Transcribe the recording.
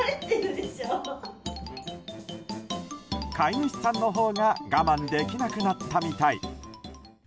飼い主さんのほうが我慢できなくなったみたい。